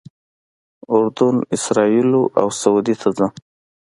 اردن، اسرائیلو او سعودي ته ځم.